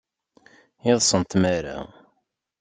Iḍes n tmara.